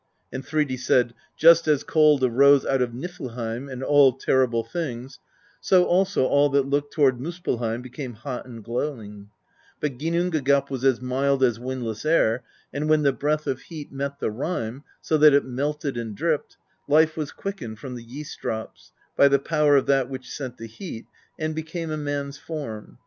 And Thridi said: "Just as cold arose out of Nifl heim, and all terrible things, so also all that looked toward Muspellheim became hot and glowing; but Ginnungagap was as mild as windless air, and when the breath of heat met the rime, so that it melted and dripped, life was quick ened from the yeast drops, by the power of that which sent the heat, and became a man's form.